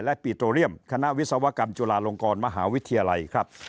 และปีโตเรียมคณะวิศวกรรมจุฬาลงกรมหาวิทยาลัยครับ